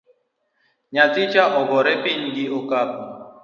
Nyathicha ogore piny gi okapu